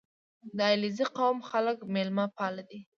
• د علیزي قوم خلک میلمهپال دي.